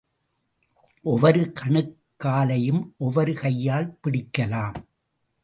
ஒவ்வொரு கணுக்காலையும் ஒவ்வொரு கையால் பிடிக்கலாம்.